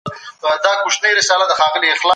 د احساساتو څرګندولو لپاره سندرې ویل عاطفي عمل دی.